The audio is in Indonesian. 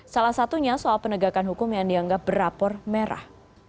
salah satunya soal penegakan hukum yang dianggap berapor merah